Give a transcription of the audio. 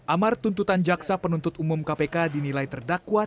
amar tuntutan jaksa penuntut umum kpk dinilai terdakwa